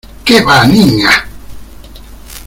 ¡ qué va, Niña!